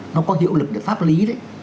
nó có hiệu lực pháp lý đấy